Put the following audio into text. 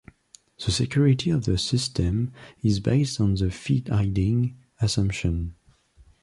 The security of their system is based on the Phi-hiding assumption.